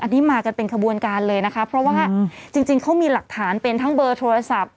อันนี้มากันเป็นขบวนการเลยนะคะเพราะว่าจริงเขามีหลักฐานเป็นทั้งเบอร์โทรศัพท์